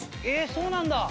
そうなんだ。